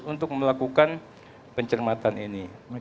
untuk melakukan pencermatan ini